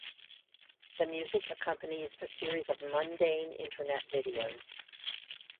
The music accompanies a series of mundane internet videos.